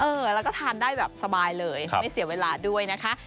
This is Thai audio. เออแล้วก็ทานได้แบบสบายเลยไม่เสียเวลาด้วยนะคะ